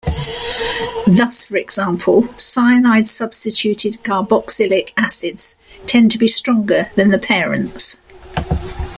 Thus, for example, cyanide-substituted carboxylic acids tend to be stronger than the parents.